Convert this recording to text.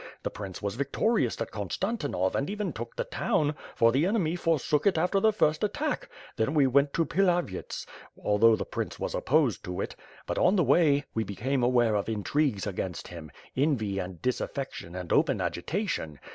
The prince was victorious at Konfitantinov and, even took the town, for the enemy for sook it after the first attack; then we went to Pilavyets, although the prince was opposed to it. But, on the way, we became aware of intrigues against him, envy and disaffection and open agitation.